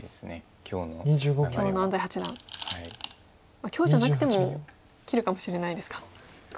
今日じゃなくても切るかもしれないですか。